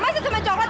masih sama coklat